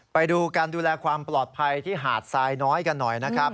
ไปดูการดูแลความปลอดภัยที่หาดทรายน้อยกันหน่อยนะครับ